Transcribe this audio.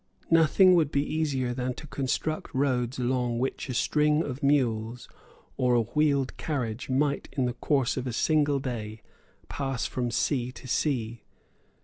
Nothing would be easier than to construct roads along which a string of mules or a wheeled carriage might in the course of a single day pass from sea to sea.